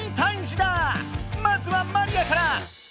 まずはマリアから！